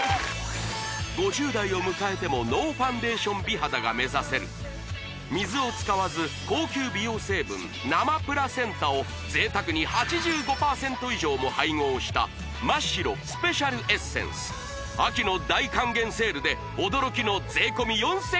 ５０代を迎えてもノーファンデーション美肌が目指せる水を使わず高級美容成分生プラセンタを贅沢に８５％以上も配合したマ・シロスペシャルエッセンス秋の大還元セールで驚きの税込